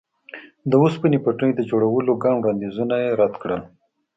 د اوسپنې پټلۍ د جوړولو لپاره ګڼ وړاندیزونه یې رد کړل.